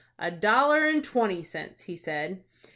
"A dollar and twenty cents," he said.